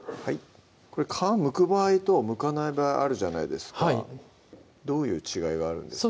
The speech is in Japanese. これ皮むく場合とむかない場合あるじゃないですかどういう違いがあるんですか？